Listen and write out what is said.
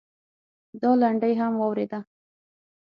دا لنډۍ هم واورېده.